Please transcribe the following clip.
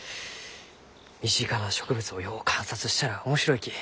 身近な植物をよう観察したら面白いき。